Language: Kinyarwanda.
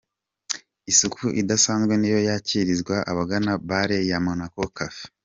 Isuku idasanzwe niyo yakirizwa abagana Bar ya Monaco Cafe.